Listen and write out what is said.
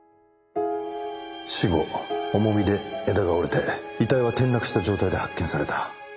死後重みで枝が折れて遺体は転落した状態で発見された。